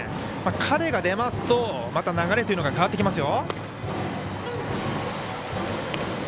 彼が出ますとまた流れというのが変わってきますよ。